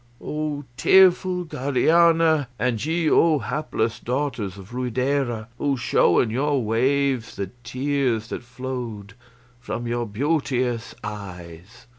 O tearful Guadiana, and ye O hapless daughters of Ruidera who show in your waves the tears that flowed from your beauteous eyes!"